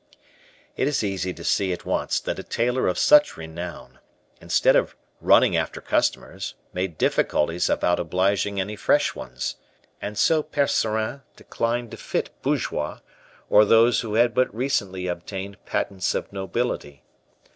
It is easy to see at once that a tailor of such renown, instead of running after customers, made difficulties about obliging any fresh ones. And so Percerin declined to fit bourgeois, or those who had but recently obtained patents of nobility.